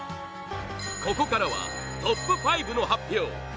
ここからはトップ５の発表！